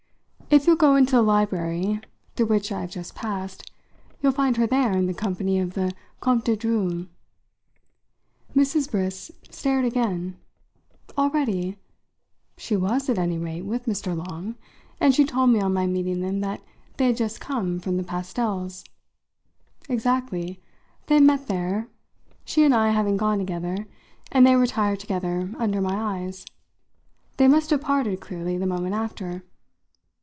If you'll go into the library, through which I have just passed, you'll find her there in the company of the Comte de Dreuil." Mrs. Briss stared again. "Already? She was, at any rate, with Mr. Long, and she told me on my meeting them that they had just come from the pastels." "Exactly. They met there she and I having gone together; and they retired together under my eyes. They must have parted, clearly, the moment after."